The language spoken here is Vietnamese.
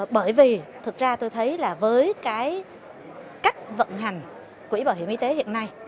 bởi vì thực ra tôi thấy là với cái cách vận hành quỹ bảo hiểm y tế hiện nay